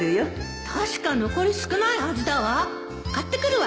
確か残り少ないはずだわ買ってくるわね